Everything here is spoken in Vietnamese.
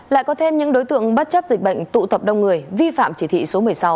lại có thêm những đối tượng bất chấp dịch bệnh tụ tập đông người vi phạm chỉ thị số một mươi sáu